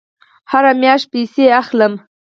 هره میاشت پیسې اخلم